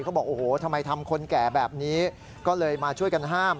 บอกโอ้โหทำไมทำคนแก่แบบนี้ก็เลยมาช่วยกันห้าม